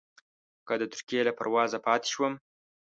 که د ترکیې له پروازه پاتې شوم.